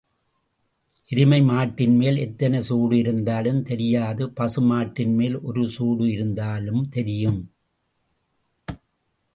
எருமை மாட்டின்மேல் எத்தனை சூடு இருந்தாலும் தெரியாது பசு மாட்டின்மேல் ஒரு சூடு இருந்தாலும் தெரியும்.